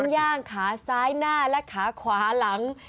ย่างขาซ้ายหน้าและขาขวาหลัง